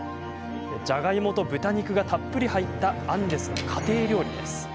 じゃがいもと豚肉がたっぷり入ったアンデスの家庭料理です。